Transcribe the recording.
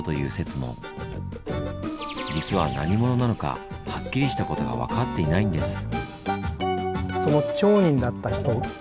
実は何者なのかはっきりしたことが分かっていないんです。